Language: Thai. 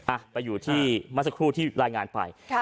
อ่ะไปอยู่ที่เมื่อสักครู่ที่รายงานไป